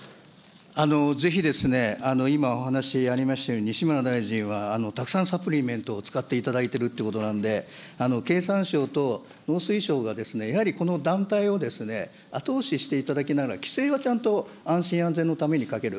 ぜひですね、今お話ありましたように、西村大臣は、たくさんサプリメントを使っていただいているということなんで、経産省と農水省がやはり団体を後押ししていただきながら、規制はちゃんと安心、安全のためにかける。